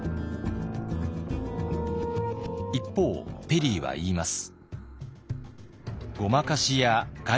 一方ペリーは言います。